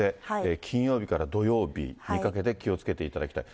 金曜日から土曜日にかけて気をつけていただきたい。